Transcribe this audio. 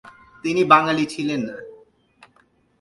তিনি বাঙালি ছিলেন না।